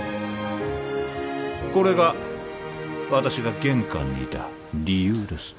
これが私が玄関にいた理由です